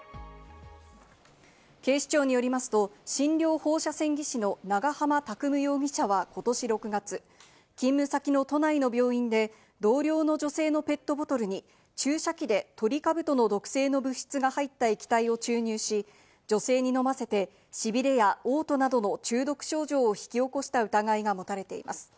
警視庁によりますと診療放射線技師の長浜拓夢容疑者は、ことし６月、勤務先の都内の病院で、同僚の女性のペットボトルに注射器でトリカブトの毒性の物質が入った液体を注入し、女性に飲ませて、しびれや嘔吐などの中毒症状を引き起こした疑いが持たれています。